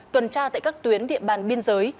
tuần tra tại các tuyến địa bàn biên giới